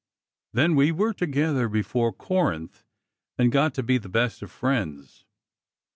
Then we were together before Corinth and got to be the best of friends.